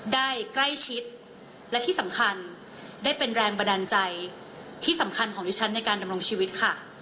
ได้ใกล้ชิดและที่สำคัญได้เป็นแรงบันดาลใจที่สำคัญของดิฉันในการดำรงชีวิตค่ะ